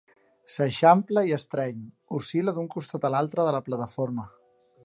S'eixampla i estreny, oscil·la d'un costat a l'altre de la plataforma.